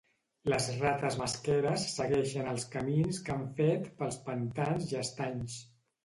Les rates mesqueres segueixen els camins que han fet pels pantans i estanys.